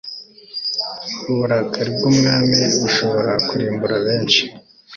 uburakari bw'umwami bushobora kurimbura benshi